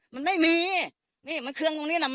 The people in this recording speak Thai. มันไม่มีนี่มันเครื่องตรงนี้น่ะ